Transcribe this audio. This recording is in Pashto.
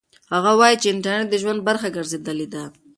هغه وایي چې انټرنيټ د ژوند برخه ګرځېدلې ده.